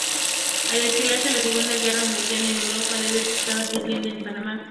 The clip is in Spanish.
Al iniciarse la Segunda Guerra Mundial en Europa, Devers estaba sirviendo en Panamá.